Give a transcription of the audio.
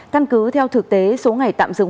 căn cứ theo thực tế số ngày tạm dừng